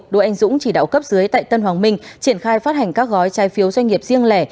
đỗ anh dũng chỉ đạo cấp dưới tại tân hoàng minh triển khai phát hành các gói trái phiếu doanh nghiệp riêng lẻ